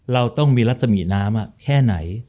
เราต้องมีลักษณีย์น้ำแค่ไหน